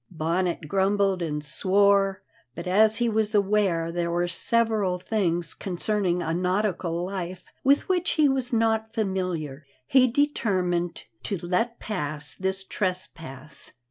Bonnet grumbled and swore, but, as he was aware there were several things concerning a nautical life with which he was not familiar, he determined to let pass this trespass.